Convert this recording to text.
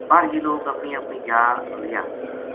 بر یہ لوک اپنی اپنی جا رہیا